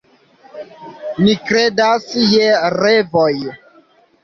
Ni kredas je revoj.